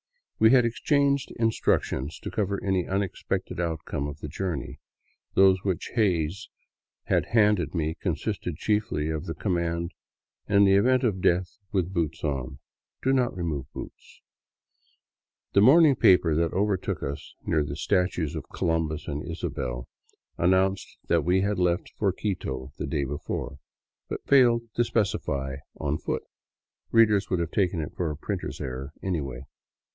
We had exchanged instructions to cover any unexpected outcome of the journey, those which Hays had handed me consisting chiefly of the command, " In the event of death with boots on, do not remove the boots !" The morning paper that overtook us near the statues of Colombus and Isabel announced that we had left for Quito the day before, but failed to specify on foot. Readers would have taken it for a printer's error, anyway.